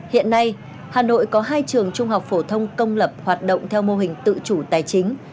hiện nay hà nội có hai trường trung học phổ thông công lập hoạt động theo mô hình tự chủ tài chính